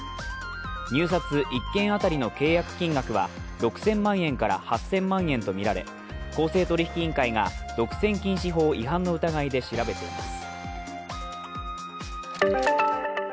入札１件当たりの契約金額は６０００万円から８０００万円とみられ公正取引委員会が独占禁止法違反の疑いで調べています。